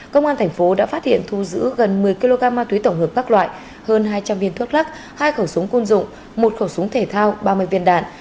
công an thành phố đã phát hiện thu giữ gần một mươi kg ma túy tổng hợp các loại hơn hai trăm linh viên thuốc lắc hai khẩu súng côn dụng một khẩu súng thể thao ba mươi viên đạn